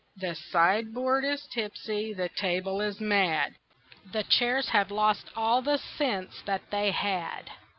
The sideboard is tipsy, the table is mad, The chairs have lost all the sense that they had.